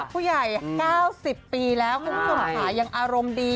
ผู้จระแยะ๙๐ปีแล้วคุ้มส่งขายังอารมณ์ดี